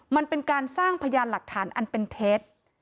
มันเป็นการสร้างพยานหลักฐานอันเป็นเท็จ